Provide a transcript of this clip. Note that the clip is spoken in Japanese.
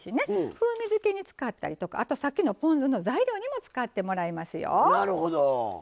風味付けに使ったりとかさっきのポン酢の材料にも使っていただけますよ。